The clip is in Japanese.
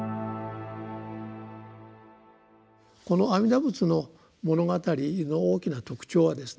この「阿弥陀仏の物語」の大きな特徴はですね